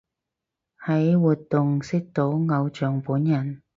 喺活動識到偶像本人